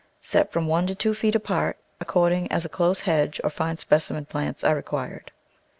Set from one to two feet apart, according as a close hedge or fine specimen plants are required.